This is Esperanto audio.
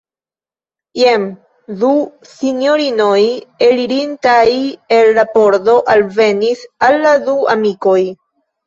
Jen du sinjorinoj elirintaj el la pordo alvenis al la du amikoj.